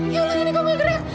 ya allah nini kok gak gerak